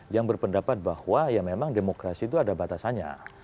yang berpendapat bahwa ya memang demokrasi itu ada batasannya